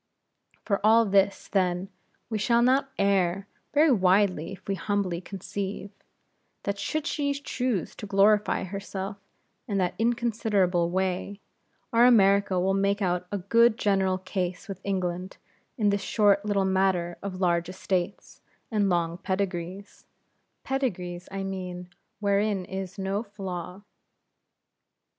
For all this, then, we shall not err very widely if we humbly conceive, that should she choose to glorify herself in that inconsiderable way our America will make out a good general case with England in this short little matter of large estates, and long pedigrees pedigrees I mean, wherein is no flaw.